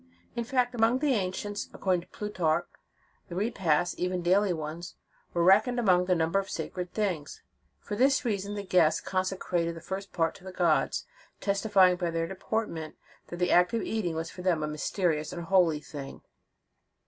In fact, among the ancients, according to Plutarch, the repasts, even daily ones, were reckoned among the number of sacred things. For this reason the guests consecrated the first part to the gods, testifying by their deportment, that the act of eating was for them a mysterious and holy thing.!